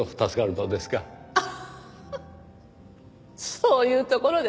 そういうところですよ。